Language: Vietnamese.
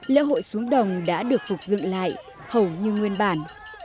lễ hội xuống đồng đã được phục dựng lại hầu như nguyên bản